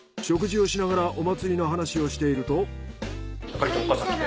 食事をしながらお祭りの話をしていると。